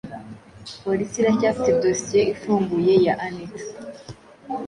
polisi iracyafite dosiye ifunguye ya anita